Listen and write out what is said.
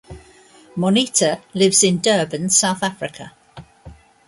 Moneta lives in Durban, South Africa.